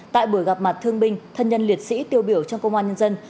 tại buổi gặp mặt thương binh thân nhân liệt sĩ tiêu biểu trong công an nhân dân